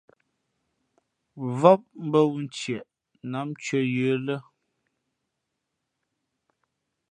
Vóp mbᾱ wū ntieʼ nǎm ntʉ̄ᾱ yə̌ lά.